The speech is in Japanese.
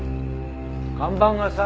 看板がさ。